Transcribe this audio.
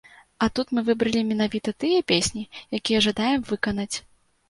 А тут мы выбралі менавіта тыя песні, якія жадаем выканаць.